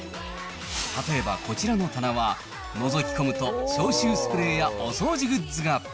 例えばこちらの棚は、のぞき込むと消臭スプレーやお掃除グッズが。